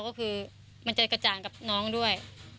ก็คือมันจะกระจ่างกับน้องด้วย